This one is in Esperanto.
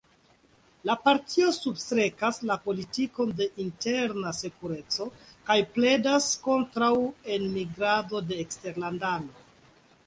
La partio substrekas la politikon de interna sekureco kaj pledas kontraŭ enmigrado de eksterlandanoj.